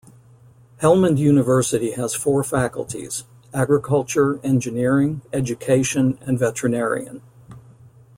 Helmand University has four faculties, Agriculture, engineering, education and veterinarian.